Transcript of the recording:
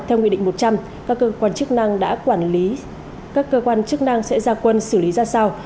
theo nguyễn định một trăm linh các cơ quan chức năng sẽ ra quân xử lý ra sao